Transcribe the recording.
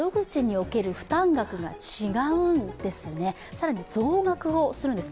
更に増額をするんです。